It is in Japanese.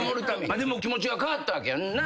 気持ちは変わったわけやんな。